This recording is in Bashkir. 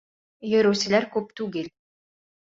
Йөрөүселәр күп түгел.